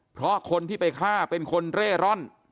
เพราะคนที่ไปฆ่าเป็นคนเร่ร่อน